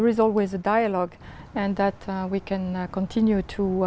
để chúng ta có thể